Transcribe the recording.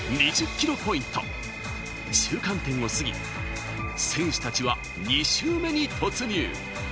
キロポイント、中間点を過ぎ、選手たちは２周目に突入。